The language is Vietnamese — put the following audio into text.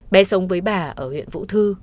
bé sống với bà ở huyện vũ thư